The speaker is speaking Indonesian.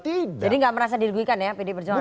jadi tidak merasa dirugikan ya pdi perjuangan